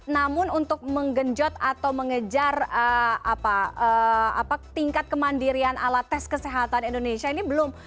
namun untuk menggenjot atau mengejar tingkat kemandirian alat tes kesehatan indonesia ini belum